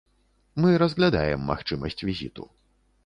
Мы разглядаем магчымасць візіту.